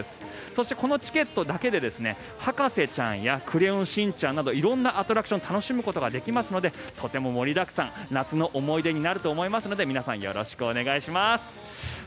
そして、このチケットだけで「博士ちゃん」や「クレヨンしんちゃん」など色んなアトラクションを楽しむことができますのでとても盛りだくさん夏の思い出になると思いますので皆さんよろしくお願いします。